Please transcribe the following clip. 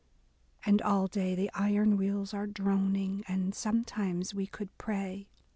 And all day, the iron wheels are droning, And sometimes we could pray.